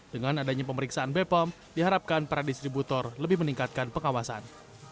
dengan adanya pemeriksaan bepom diharapkan para distributor lebih meningkatkan pengawasan